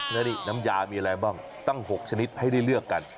แล้วนี่น้ำยามีอะไรบ้างตั้ง๖ชนิดให้ได้เลือกกัน